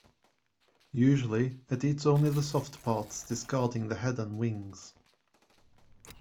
Usually, it eats only the soft parts, discarding the head and wings.